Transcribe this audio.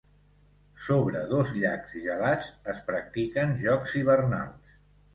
Sobre dos llacs gelats, es practiquen jocs hivernals.